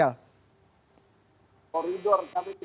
karena sejak akhir akhir tadi kitarantsur markas di media sosial